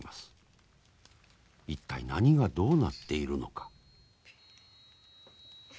一体何がどうなっているのか。